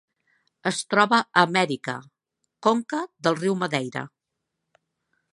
Es troba a Amèrica: conca del riu Madeira.